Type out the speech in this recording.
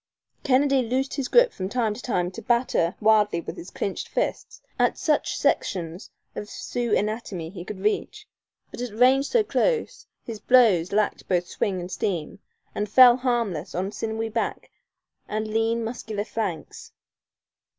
Kennedy loosed his grip from time to time to batter wildly with his clinched fists at such sections of Sioux anatomy as he could reach; but, at range so close, his blows lacked both swing and steam, and fell harmless on sinewy back and lean, muscular flanks.